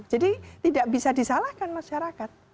jadi tidak bisa disalahkan masyarakat